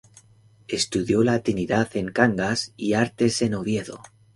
Estudió Latinidad en Cangas y Artes en Oviedo.